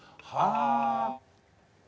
ああ！